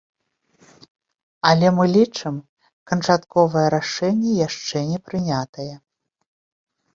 Але мы лічым, канчатковае рашэнне яшчэ не прынятае.